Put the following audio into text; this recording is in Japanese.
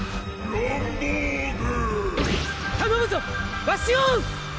ランボーグ！